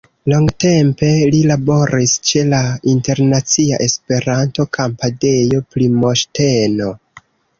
Longtempe li laboris ĉe la Internacia-Esperanto-Kampadejo-Primoŝteno.